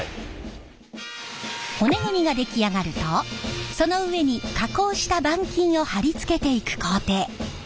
骨組みが出来上がるとその上に加工した板金を貼り付けていく工程。